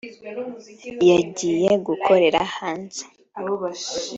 yagiye gukorera hanze